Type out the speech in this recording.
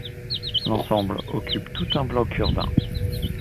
L’ensemble occupe tout un bloc urbain.